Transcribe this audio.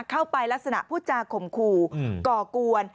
เข้าไปลักษณะผู้จากขมขู่ก่อกวน